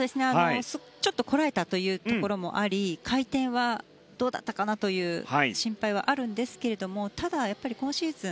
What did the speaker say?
ちょっとこらえたというところもあり回転はどうだったかなという心配はあるんですけどただ、今シーズン